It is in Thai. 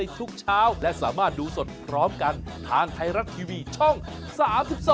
สวัสดีค่ะ